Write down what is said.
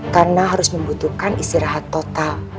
karena harus membutuhkan istirahat total